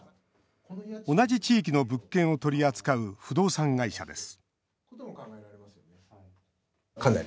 同じ地域の物件を取り扱う不動産会社です